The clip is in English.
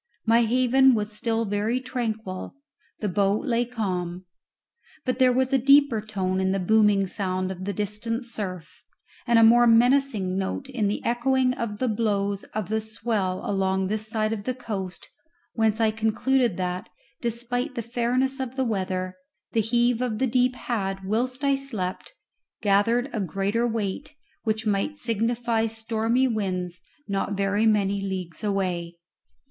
My haven was still very tranquil the boat lay calm; but there was a deeper tone in the booming sound of the distant surf, and a more menacing note in the echoing of the blows of the swell along this side of the coast, whence I concluded that, despite the fairness of the weather, the heave of the deep had, whilst I slept, gathered a greater weight, which might signify stormy winds not very many leagues away.